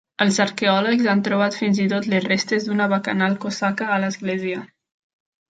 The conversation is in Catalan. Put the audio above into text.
Els arqueòlegs han trobat fins i tot les restes d'una bacanal cosaca a l'església.